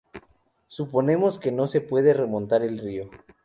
Suponemos que no se puede remontar el río.